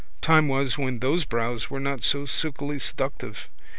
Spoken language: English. Time was when those brows were not so silkily seductive.